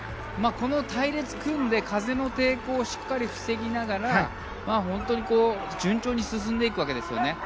この隊列を組んで風の抵抗をしっかり防ぎながら本当に順調に進んでいくわけですね。